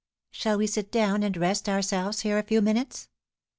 "Shall we sit down and rest ourselves here a few minutes?"